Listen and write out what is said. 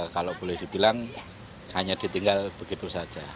kalau boleh dibilang hanya ditinggal begitu saja